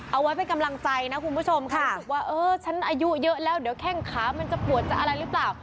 เอาไว้เป็นกำลังใจนะคุณผู้ชมค่ะรู้สึกว่าเออฉันอายุเยอะแล้วเดี๋ยวแข้งขามันจะปวดจะอะไรหรือเปล่า